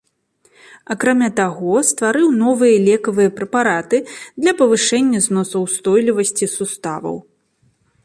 Акрамя таго, стварыў новыя лекавыя прэпараты для павышэння зносаўстойлівасці суставаў.